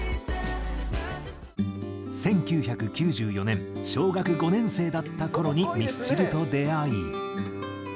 １９９４年小学５年生だった頃にミスチルと出会い。